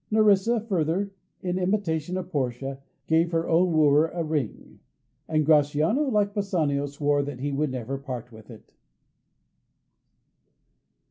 Nerissa, further, in imitation of Portia, gave her own wooer a ring; and Gratiano, like Bassanio, swore that he would never part with it.